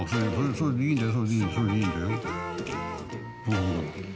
それでいいんだよ。